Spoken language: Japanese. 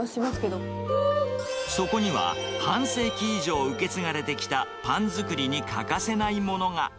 そこには、半世紀以上受け継がれてきたパン作りに欠かせないものが。